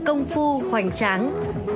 với hai phần chính